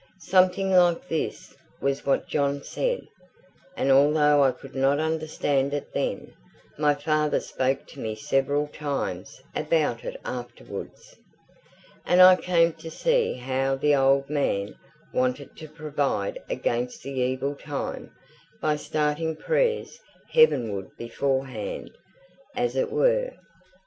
Something like this was what John said; and although I could not understand it then, my father spoke to me several times about it afterwards, and I came to see how the old man wanted to provide against the evil time by starting prayers heavenward beforehand, as it were.